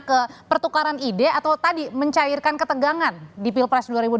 ke pertukaran ide atau tadi mencairkan ketegangan di pilpres dua ribu dua puluh